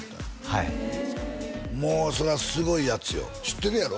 はいもうそれはすごいヤツよ知ってるやろ？